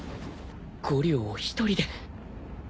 ５両を一人で